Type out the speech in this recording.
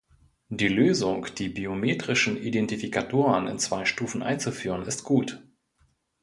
Die Lösung, die biometrischen Identifikatoren in zwei Stufen einzuführen, ist gut.